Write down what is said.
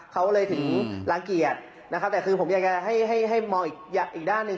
เขาเลยถึงรังเกียจนะครับแต่คือผมอยากจะให้ให้มองอีกด้านหนึ่ง